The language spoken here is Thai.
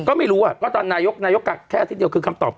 ก็ไม่รู้ตอนนายกกักแค่อาทิตย์เดียว